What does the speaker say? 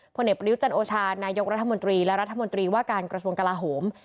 ผลเอกประยุจันโอชานายกรัฐมนตรีและรัฐมนตรีว่าการกระทรวงกลาโหม